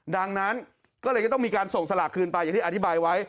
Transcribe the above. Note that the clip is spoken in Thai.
ดังนั้นก็เลยจะต้องมีการส่งสลากคืนไปอย่างที่อธิบายไว้